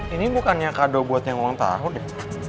ini bukannya kado buat yang orang tahu deh